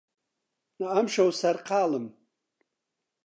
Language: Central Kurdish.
ئەمشەو سەرقاڵم.